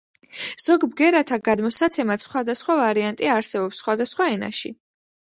ზოგ ბგერათა გადმოსაცემად სხვადასხვა ვარიანტი არსებობს სხვადასხვა ენაში.